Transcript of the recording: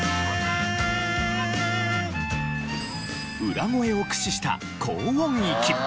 裏声を駆使した高音域。